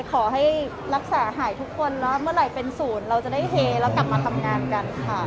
ขอให้รักษาหายทุกคนเนอะเมื่อไหร่เป็นศูนย์เราจะได้เฮแล้วกลับมาทำงานกันค่ะ